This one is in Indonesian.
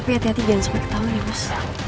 tapi hati hati jangan sampai ketahuan ya mas